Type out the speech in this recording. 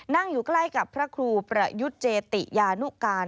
นั่งอยู่ใกล้กับพระครูประยุทธ์เจติยานุการ